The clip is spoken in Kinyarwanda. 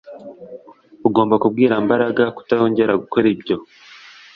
Ugomba kubwira Mbaraga kutongera gukora ibyo